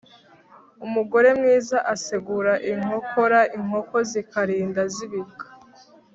umugore mwiza asegura inkokora inkoko zikarinda zibika